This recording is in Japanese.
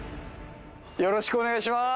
よろしくお願いします。